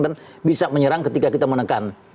dan bisa menyerang ketika kita menekan